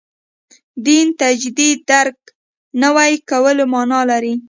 دین تجدید درک نوي کولو معنا لري.